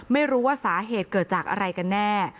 ไม่รู้ว่าสาเหตุเกิดจากอะไรกันแน่